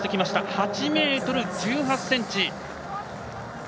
８ｍ１８ｃｍ。